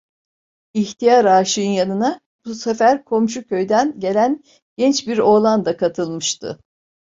İhtiyar aşığın yanına bu sefer komşu köyden gelen genç bir oğlan da katılmıştı.